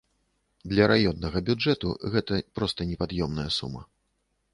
Для раённага бюджэту гэта проста непад'ёмная сума.